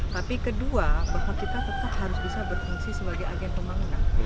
tapi kedua bahwa kita tetap harus bisa berfungsi sebagai agen pembangunan